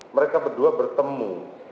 mereka berdua bertemu